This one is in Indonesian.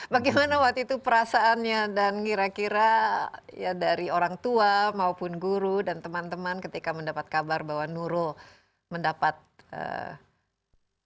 bagaimana waktu itu perasaannya dan kira kira ya dari orang tua maupun guru dan teman teman ketika mendapat kabar bahwa nurul mendapat